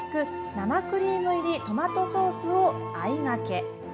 生クリーム入りトマトソースを相がけ。